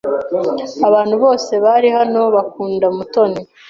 Abantu bose bari hano bakunda Mutoni.